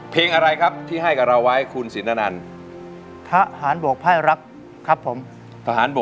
ฮะฮะฮะฮะฮะฮะฮะฮะฮะฮะฮะฮะฮะ